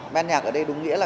band nhạc ở đây đúng nghĩa là